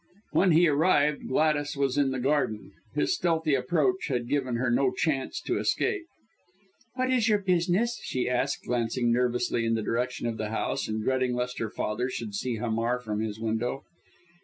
When he arrived, Gladys was in the garden. His stealthy approach had given her no chance to escape. "What is your business?" she asked, glancing nervously in the direction of the house, and dreading lest her father should see Hamar from his window.